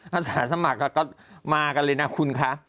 อาสาสมัครก็มากันเลยนะคุณคะ